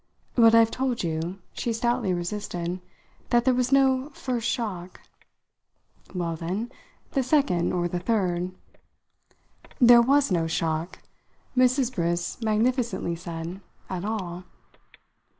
"But I've told you," she stoutly resisted, "that there was no 'first' shock." "Well, then, the second or the third." "There was no shock," Mrs. Briss magnificently said, "at all."